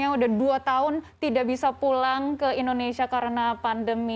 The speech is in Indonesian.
yang sudah dua tahun tidak bisa pulang ke indonesia karena pandemi